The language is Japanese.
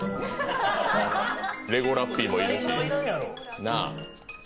レゴラッピーもいるし、なあ。